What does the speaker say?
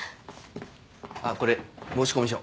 あっこれ申込書。